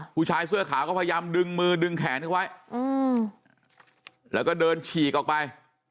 ผู้ชายเสื้อขาวก็พยายามดึงมือดึงแขนทิ้งไว้แล้วก็เดินฉีกออกไป